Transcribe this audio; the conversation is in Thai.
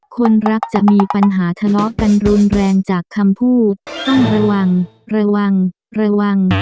คนรักจะมีปัญหาทะเลาะกันรุนแรงจากคำพูดต้องระวังระวังระวังระวัง